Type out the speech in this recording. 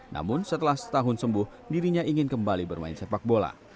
namun setelah setahun sembuh dirinya ingin kembali bermain sepak bola